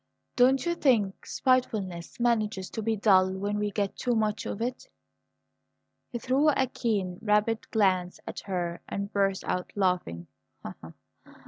"Don't you think spitefulness manages to be dull when we get too much of it?" He threw a keen, rapid glance at her, and burst out laughing.